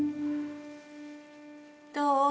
どう？